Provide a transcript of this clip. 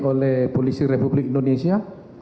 oleh polisi republik indonesia